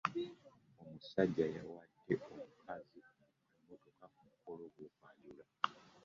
Omusajja yawade omukazi emmotoka ku mukolo gw'okwanjula.